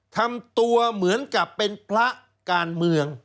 ทำตัวเหมือนกับเป็นพระการเมือง